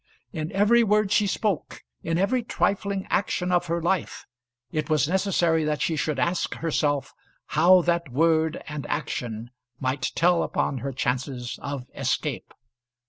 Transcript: In every word she spoke, in every trifling action of her life, it was necessary that she should ask herself how that word and action might tell upon her chances of escape.